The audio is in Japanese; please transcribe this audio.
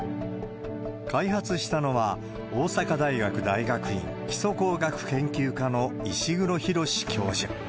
開発したのは、大阪大学大学院基礎工学研究家の石黒浩教授。